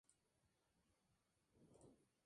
El nombre significa ""la tierra más allá del río Olza"".